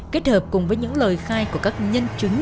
kết hợp cùng với những lời khai của các nhân chứng